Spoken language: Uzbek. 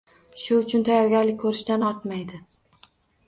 Shu uchun tayyorgarlik ko‘rishdan ortmaydi.